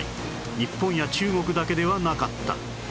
日本や中国だけではなかった